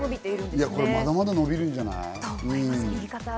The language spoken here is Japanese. まだまだ伸びるんじゃない？